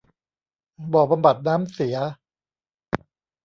บ่อบำบัดน้ำเสีย